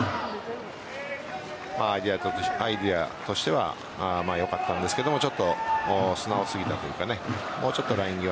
アイデアとしてはよかったんですがちょっと素直すぎたというかもうちょっとライン際